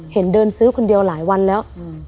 เห็นเดินซื้อคนเดียวหลายวันแล้ว